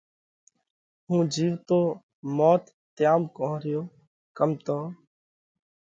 ھُون جيوتو موت تيام ڪونھ ريو ڪم تو